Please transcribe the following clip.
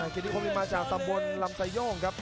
เกณฑิคมมีมาจากตำบลลำไสโยงครับ